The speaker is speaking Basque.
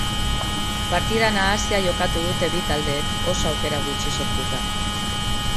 Partida nahasia jokatu dute bi taldeek, oso aukera gutxi sortuta.